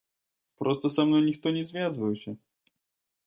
Проста са мной ніхто не звязваўся.